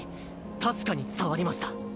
確かに伝わりました。